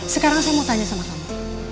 sekarang saya mau tanya sama kamu